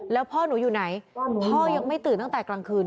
แล้วพ่อหนูอยู่ไหนพ่อยังไม่ตื่นตั้งแต่กลางคืน